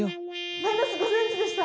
マイナス５ｃｍでした。